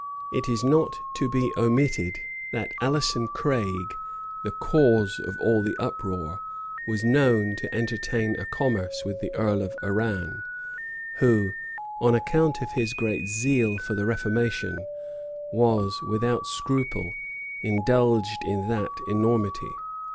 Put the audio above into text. It is not to be omitted, that Alison Craig, the cause of all the uproar was known to entertain a commerce with the earl of Arran, who, on account of his great zeal for the reformation, was, without scruple, indulged in that enormity.